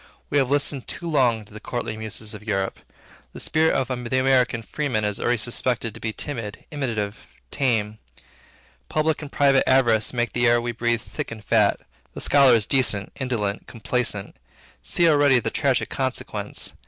We have listened too long to the courtly muses of Europe. The spirit of the American freeman is already suspected to be timid, imitative, tame. Public and private avarice make the air we breathe thick and fat. The scholar is decent, indolent, complaisant. See already the tragic consequence.